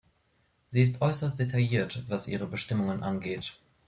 Sie ist äußerst detailliert, was ihre Bestimmungen angeht.